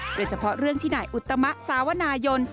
หรือเฉพาะเรื่องที่ไหนอุตมะสาวนายน